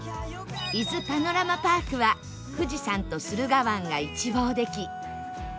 伊豆パノラマパークは富士山と駿河湾が一望でき ＳＮＳ